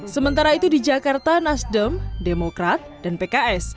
sementara itu di jakarta nasdem demokrat dan pks